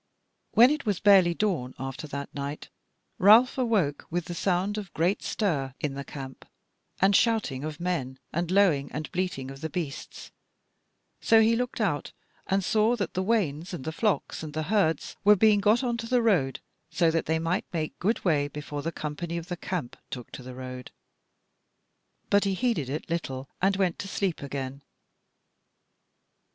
When it was barely dawn after that night, Ralph awoke with the sound of great stir in the camp, and shouting of men and lowing and bleating of beasts; so he looked out, and saw that the wains and the flocks and herds were being got on to the road, so that they might make good way before the company of the camp took the road. But he heeded it little and went to sleep again.